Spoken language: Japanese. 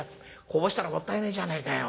こぼしたらもったいねえじゃねえかよ。